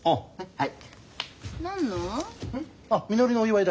はい。